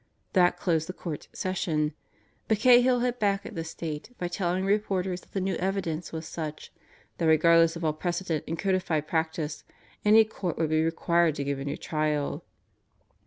That dosed the Court's session, but Cahill hit back at the State by telling reporters that the new evidence was such "that regard less of all precedent and codified practice, any Court would be required to give a new trial."